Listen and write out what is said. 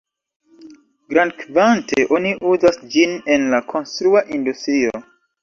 Grandkvante, oni uzas ĝin en la konstrua industrio.